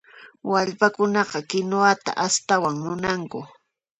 Wallpakunaqa kinuwata astawanta munanku.